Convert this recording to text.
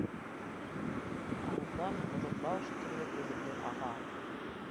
Ауыҙҙан оҙон бау шикелле өҙөлмәй аға.